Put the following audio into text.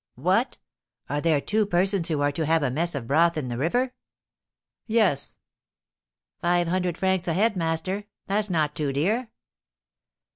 What! are there two persons who are to have a mess of broth in the river?' 'Yes.' 'Five hundred francs a head, master; that's not too dear.'